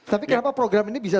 tapi kenapa program ini bisa